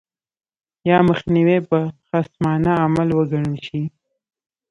یا مخنیوی به خصمانه عمل وګڼل شي.